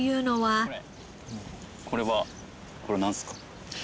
これはこれなんすか？